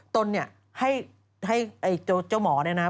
ตนเนี่ยให้เจ้าหมอเนี่ยนะ